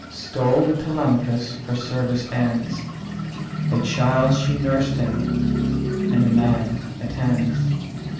Sole with Telemachus her service ends, A child she nursed him, and a man attends).